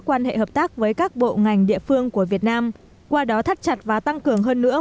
quan hệ hợp tác với các bộ ngành địa phương của việt nam qua đó thắt chặt và tăng cường hơn nữa